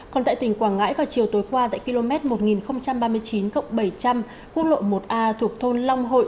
còn tại tỉnh quảng ngãi vào chiều tối qua tại km một nghìn ba mươi chín bảy trăm linh quốc lộ một a thuộc thôn long hội